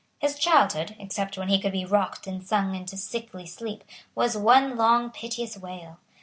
His childhood, except when he could be rocked and sung into sickly sleep, was one long piteous wail.